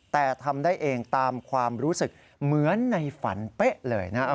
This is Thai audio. แต่ทำได้เองตามความรู้สึกเหมือนในฝันเป๊ะเลยนะครับ